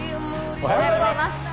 おはようございます。